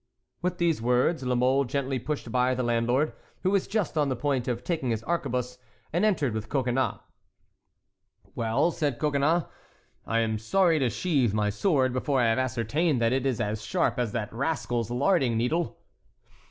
With these words, La Mole gently pushed by the landlord, who was just on the point of taking his arquebuse, and entered with Coconnas. "Well," said Coconnas, "I am sorry to sheathe my sword before I have ascertained that it is as sharp as that rascal's larding needle."